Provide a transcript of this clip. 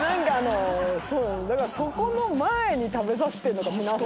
だからそこの前に食べさせてんのか皆さん。